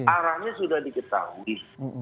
arahnya sudah diketahui